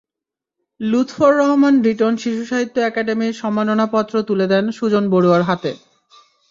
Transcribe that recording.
লুৎফর রহমান রিটন শিশুসাহিত্য একাডেমির সম্মাননাপত্র তুলে দেন সুজন বড়ুয়ার হাতে।